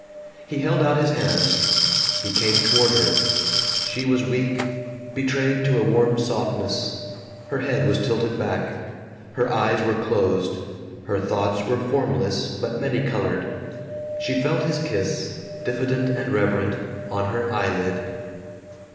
He held out his hands. He came toward her. She was weak, betrayed to a warm softness. Her head was tilted back. Her eyes were closed. Her thoughts were formless but many colored. She felt his kiss, diffident and reverent, on her eyelid.